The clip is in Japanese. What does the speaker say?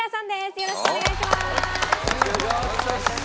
よろしくお願いします。